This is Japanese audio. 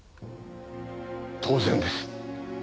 当然です。